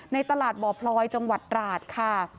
ในตลาดบ่อพลอยจังหวัดราชค่ะ